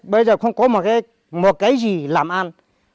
bây giờ không có một cái gì làm an